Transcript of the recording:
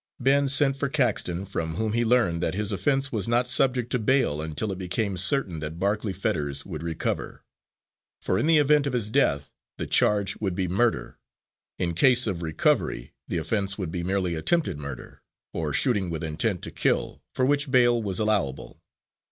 Ben sent for Caxton, from whom he learned that his offense was not subject to bail until it became certain that Barclay Fetters would recover. For in the event of his death, the charge would be murder; in case of recovery, the offense would be merely attempted murder, or shooting with intent to kill, for which bail was allowable.